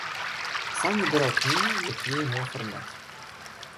Сам выбіраў кнігі, якія яму афармляць.